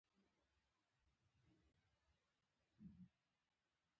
څه به کوو.